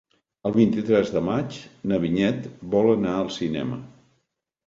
El vint-i-tres de maig na Vinyet vol anar al cinema.